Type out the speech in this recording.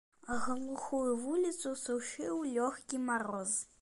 Глухую вуліцу сушыў лёгкі мароз.